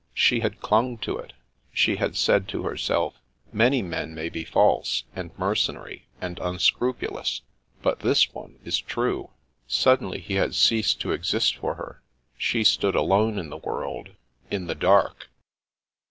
She had clung to it. She had said to herself :* Many men may be false, and mercenary, and unscrupulous, but this one is true.' Suddenly, he had ceased to exist for her. She stood alone in the world — in the dark."